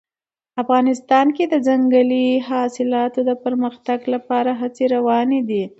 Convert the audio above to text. افغانستان کې د ځنګلي حاصلاتو د پرمختګ لپاره هڅې روانې دي.